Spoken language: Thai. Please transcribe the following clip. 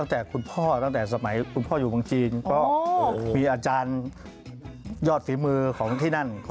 แต่คุณพ่อตั้งแต่สมัยคุณพ่ออยู่เมืองจีนก็มีอาจารยอดฝีมือของที่นั่น